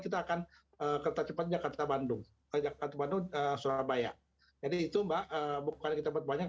kita akan kereta cepat jakarta bandung ke jakarta bandung surabaya jadi itu mbak bukan kita buat banyak